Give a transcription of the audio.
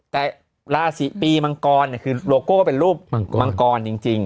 แต่ราศีปีมังกรคือโลโก้เป็นรูปมังกรจริง